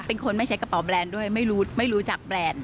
เป็นคนไม่ใช้กระเป๋าแบรนด์ด้วยไม่รู้ไม่รู้จักแบรนด์